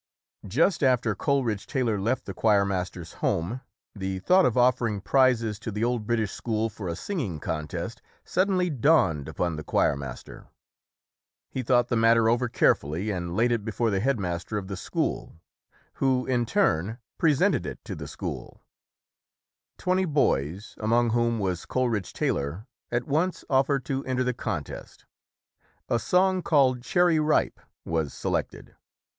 Just after Coleridge Taylor left the choir master's home, the thought of offering prizes to the Old British School for a singing contest sud denly dawned upon the choirmaster. He thought the matter over carefully and laid it before the headmaster of the school, who in turn presented 134 ] UNSUNG HEROES it to the school. Twenty boys, among whom was Coleridge Taylor, at once offered to enter the contest. A song called "Cherry Ripe" was se lected.